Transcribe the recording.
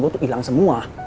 gue tuh ilang semua